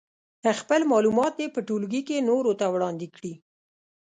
خپل معلومات دې په ټولګي کې نورو ته وړاندې کړي.